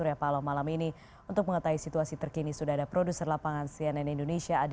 ya putri selamat malam